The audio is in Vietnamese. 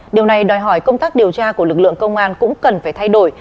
điều này đòi hỏi công tác điều tra của lực lượng công an cũng cần phải thay đổi